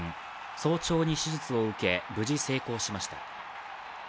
早朝に手術を受け無事成功しました。